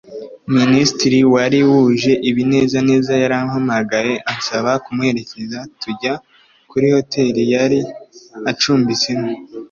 minisitiri wari wuje ibinezaneza yarampamagaye ansaba kumuherekeza tujya kuri hoteli yari acumbitsemo,